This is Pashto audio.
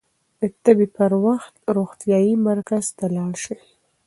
د تبې پر وخت روغتيايي مرکز ته لاړ شئ.